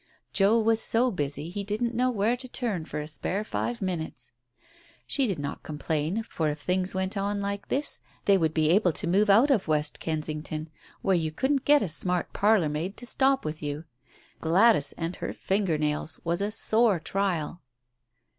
Joe was so busy he didn't know where to turn for a spare five minutes. She did not complain, for if things went on like this they would be able to move out of West Kensington, where you couldn't get a smart parlour maid to stop with you. Gladys and her finger nails was a sore trial.